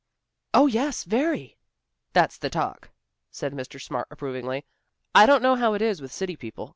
"Oh, yes, very." "That's the talk," said Mr. Smart approvingly. "I don't know how it is with city people.